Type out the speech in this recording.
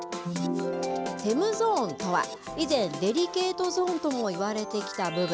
フェムゾーンとは、以前、デリケートゾーンともいわれてきた部分。